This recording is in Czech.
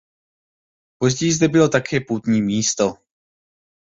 Později zde bylo také poutní místo.